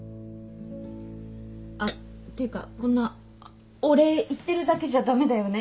あっていうかこんなお礼言ってるだけじゃ駄目だよね。